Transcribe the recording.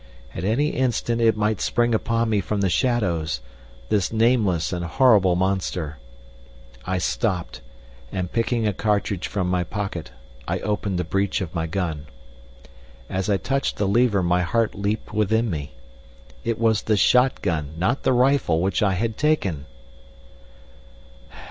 At any instant it might spring upon me from the shadows this nameless and horrible monster. I stopped, and, picking a cartridge from my pocket, I opened the breech of my gun. As I touched the lever my heart leaped within me. It was the shot gun, not the rifle, which I had taken!